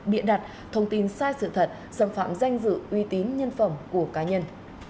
bịa đặt thông tin sai sự thật xâm phạm danh dự uy tín nhân phẩm của cá nhân